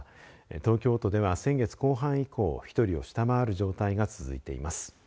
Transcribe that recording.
東京都では、先月後半以降１人を下回る状態が続いています。